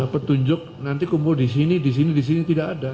petunjuk nanti kumpul disini disini disini tidak ada